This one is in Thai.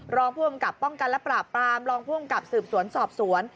รองผู้กำกับป้องกันและปราบปรามรองผู้กำกับสืบสวนสอบสวน